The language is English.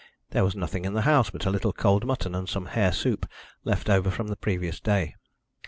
There was nothing in the house but a little cold mutton, and some hare soup left over from the previous day.